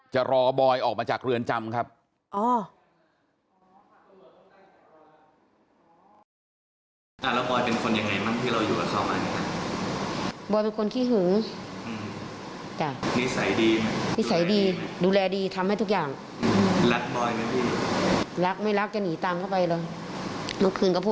จะรอบอยออกมาจากเรือนจำครับ